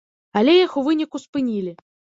Але іх у выніку спынілі.